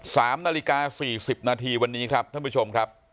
สามนาฬิกาสี่สิบนาทีวันนี้ครับท่านผู้ชมครับ